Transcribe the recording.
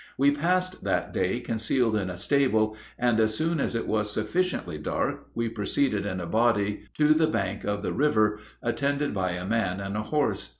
We passed that day concealed in a stable, and as soon as it was sufficiently dark we proceeded in a body to the bank of the river, attended by a man and a horse.